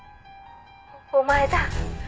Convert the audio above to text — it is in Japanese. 「お前だ」